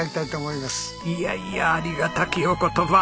いやいやありがたきお言葉！